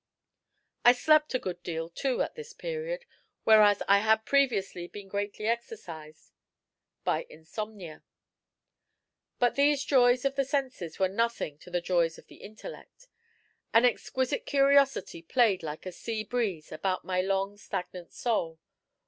I slept a good deal, too, at this period, whereas I had previously been greatly exercised by insomnia. But these joys of the senses were as nothing to the joys of the intellect. An exquisite curiosity played like a sea breeze about my long stagnant soul.